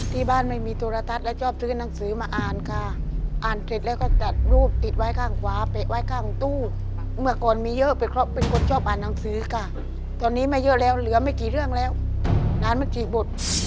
ที่บ้านไม่มีโทรทัศน์แล้วชอบซื้อหนังสือมาอ่านค่ะอ่านเสร็จแล้วก็จัดรูปติดไว้ข้างขวาแปะไว้ข้างตู้เมื่อก่อนมีเยอะเป็นคนชอบอ่านหนังสือค่ะตอนนี้ไม่เยอะแล้วเหลือไม่กี่เรื่องแล้วนานมากี่บท